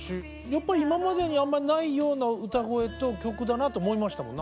やっぱり今までにあんまりないような歌声と曲だなと思いましたもん。